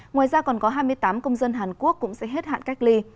ngoài ra còn có hai mươi tám công dân hàn quốc cũng sẽ hết hạn cách ly